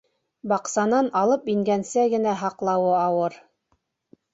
Баҡсанан алып ингәнсә генә һаҡлауы ауыр...